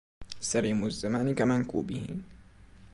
سليم الزمان كمنكوبه